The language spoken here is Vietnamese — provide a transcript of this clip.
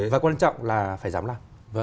và quan trọng là phải dám làm